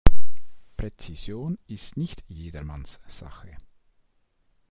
Präzision ist nicht jedermanns Sache.